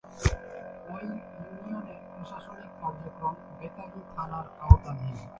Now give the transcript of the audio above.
এ ইউনিয়নের প্রশাসনিক কার্যক্রম বেতাগী থানার আওতাধীন।